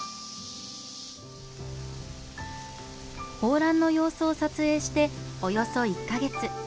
抱卵の様子を撮影しておよそ１か月。